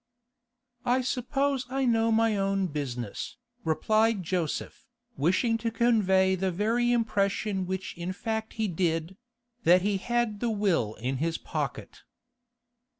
'I suppose I know my own business,' replied Joseph, wishing to convey the very impression which in fact he did—that he had the will in his pocket.